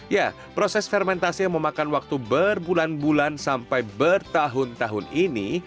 ya proses fermentasi yang memakan waktu berbulan bulan sampai bertahun tahun ini